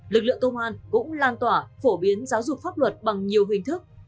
lực lượng công an cũng lan tỏa phổ biến giáo dục pháp luật bằng nhiều hình thức